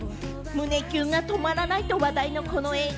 胸キュンが止まらないと話題のこの映画。